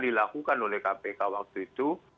dilakukan oleh kpk waktu itu